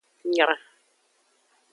Nyra.